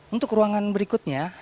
untuk ruangan berikutnya